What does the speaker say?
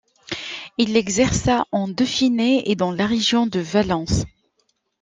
Il exerça en Dauphiné et dans la région de Valence.